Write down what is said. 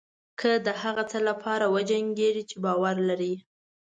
که د هغه څه لپاره وجنګېږئ چې باور لرئ.